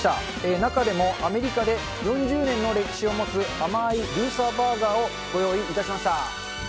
中でもアメリカで４０年の歴史を持つ甘ーいルーサーバーガーをご用意いたしました。